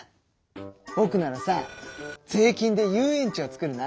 ぼくならさ税金で遊園地を作るな！